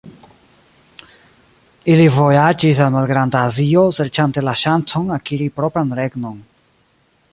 Ili vojaĝis al Malgrand-Azio, serĉante la ŝancon akiri propran regnon.